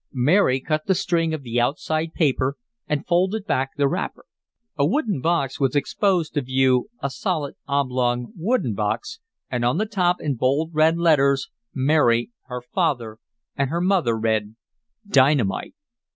Mary cut the string of the outside paper, and folded back the wrapper. A wooden box was exposed to view, a solid, oblong, wooden box, and on the top, in bold, red letters Mary, her father and her mother read: DYNAMITE!